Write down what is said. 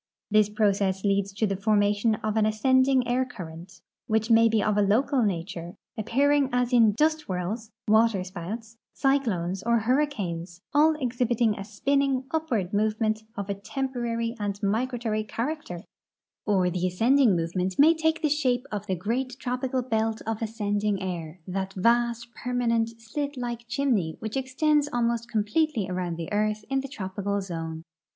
'I'his ])rocess leads to the formation of an ascending air current, which may be of a local nature, aj)pearing as in dust whirls, water spouts, cyclones, or hurricanes, all exhiliiting a spinning, upward movement of a temporary and migratory character ; or the jvseending movement 330 THE ECONOMIC ASPECTS OF SOIL EROSION may take the shape of the great tropical belt of ascending air — that vast, permanent, slit like chimney which extends almost completely around the earth in the tropical zone.